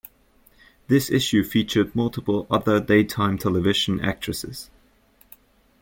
This issue featured multiple other daytime television actresses.